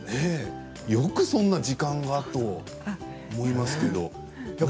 よくそんな時間があると思いますけど。